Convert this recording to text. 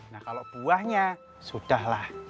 nah kalau buahnya sudah lah